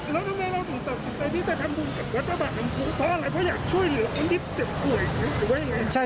แล้วทุกคนที่จะทำบุญกับวัดพระบาทนำพูเพราะอะไรเพราะอยากช่วยเหลืออันนี้เจ็บป่วยอยู่ไว้ไง